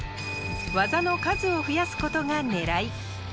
技の数を増やすことが狙い。